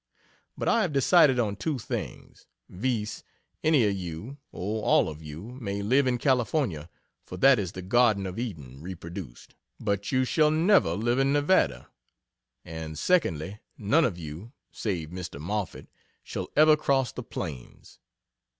But I have decided on two things, viz: Any of you, or all of you, may live in California, for that is the Garden of Eden reproduced but you shall never live in Nevada; and secondly, none of you, save Mr. Moffett, shall ever cross the Plains.